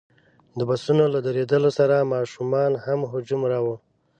د بسونو له درېدلو سره ماشومانو هجوم راوړ.